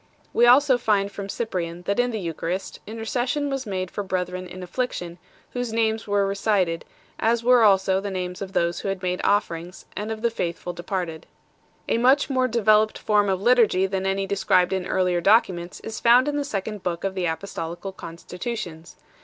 We also find from Cyprian that in the Eucharist intercession was made for brethren in affliction 10 , whose names were recited 11 , as were also the names of those who had made offerings 12 and of the faithful departed 13 . A much more developed form of Liturgy than any described in earlier documents is found in the second book of the Apostolical Constitutions 14